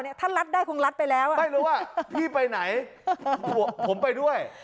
ถ้ารัดได้คงรัดไปแล้วอ่ะไม่รู้ว่าพี่ไปไหนผมไปด้วย